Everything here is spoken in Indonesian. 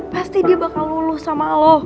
pasti dia bakal muluh sama lo